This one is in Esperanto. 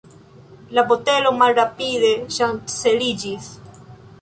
La botelo malrapide ŝanceliĝis.